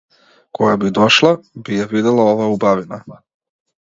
Кога би дошла би ја видела оваа убавина.